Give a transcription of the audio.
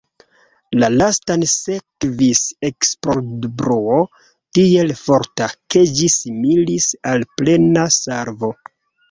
La lastan sekvis eksplodbruo tiel forta, ke ĝi similis al plena salvo.